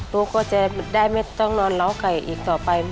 ลูกก็จะได้ไม่ต้องนอนเล้าไก่อีกต่อไป